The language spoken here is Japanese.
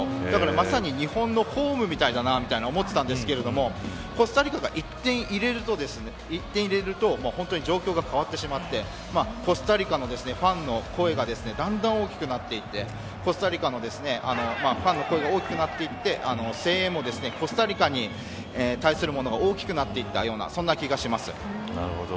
まさに日本のホームみたいだと思ってたんですけどコスタリカが１点入れると本当に状況が変わってしまってコスタリカのファンの声がだんだん大きくなっていってコスタリカのファンの声が大きくなっていって声援もコスタリカに対するものが大きくなっていたような気がします。